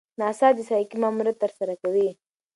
ناسا د سایکي ماموریت ترسره کوي.